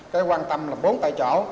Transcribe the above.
cái quan tâm là bốn tại chỗ